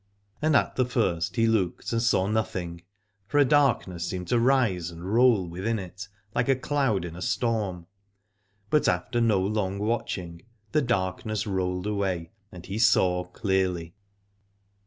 And at the first he looked and saw nothing, for a darkness seemed to rise and roll within it, like a cloud in storm : but after no long watching the darkness rolled away, and he saw clearly.